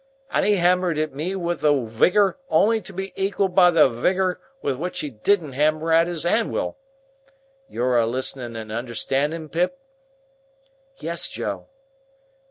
And he hammered at me with a wigor only to be equalled by the wigor with which he didn't hammer at his anwil.—You're a listening and understanding, Pip?" "Yes, Joe."